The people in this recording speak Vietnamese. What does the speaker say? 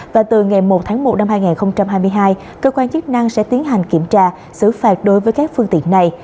và từ ngày một tháng một năm hai nghìn hai mươi hai cơ quan chức năng sẽ tiến hành kiểm tra xử phạt đối với các phương tiện này